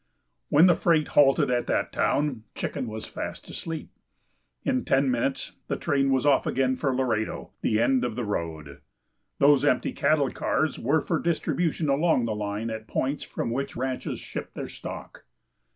When the freight halted at that town Chicken was fast asleep. In ten minutes the train was off again for Laredo, the end of the road. Those empty cattle cars were for distribution along the line at points from which the ranches shipped their stock.